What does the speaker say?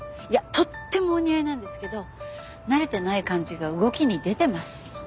いやとってもお似合いなんですけど慣れてない感じが動きに出てます。